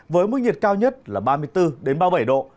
với mức nhiệt cao nhất là ba mươi bốn ba mươi bảy độ